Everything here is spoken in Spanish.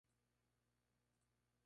Depeche Mode no aparece en el video.